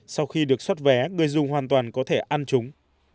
sau khi được xuất vé người dùng hoàn toàn có thể ăn chúng